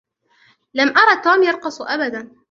لم أرَ توم يرقص أبدا.